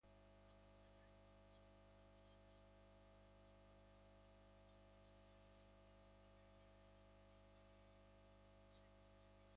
Larunbatean, arrantza lehiaketa eta gastronomia tailerrak izango dira eguneko ekitaldi nagusiak.